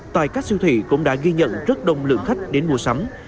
tại các siêu thị cũng đã ghi nhận rất đông lượng khách đến mua sắm